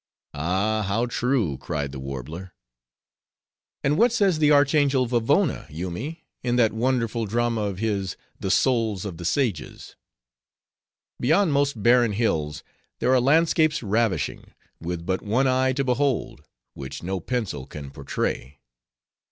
'" "Ah! how true!" cried the Warbler. "And what says the archangel Vavona, Yoomy, in that wonderful drama of his, 'The Souls of the Sages?'—'Beyond most barren hills, there are landscapes ravishing; with but one eye to behold; which no pencil can portray.